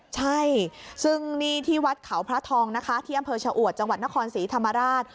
ใช่ซึ่งนี่ที่วัดเขาพระทองนะคะที่อำเภอชะอวดจังหวัดนครศรีธรรมราช